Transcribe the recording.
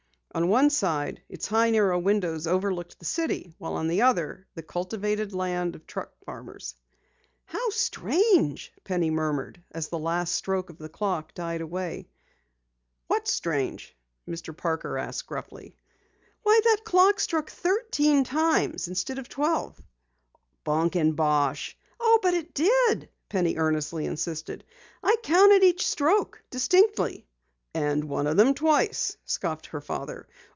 On one side, its high, narrow windows overlooked the city, while on the other, the cultivated lands of truck farmers. "How strange!" Penny murmured as the last stroke of the clock died away. "What is strange?" Mr. Parker asked gruffly. "Why, that clock struck thirteen times instead of twelve!" "Bunk and bosh!" "Oh, but it did!" Penny earnestly insisted. "I counted each stroke distinctly." "And one of them twice," scoffed her father.